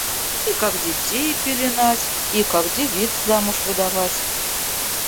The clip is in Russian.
И как детей пеленать, и как девиц замуж выдавать!